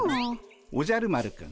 おじゃる丸くん